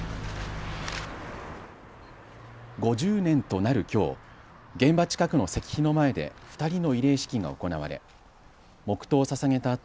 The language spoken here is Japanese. ５０年となるきょう、現場近くの石碑の前で２人の慰霊式が行われ黙とうをささげた